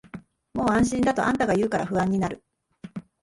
もう安心だとあんたが言うから不安になる